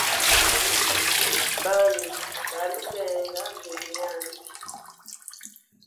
Bandu balu benga vilye nyambi.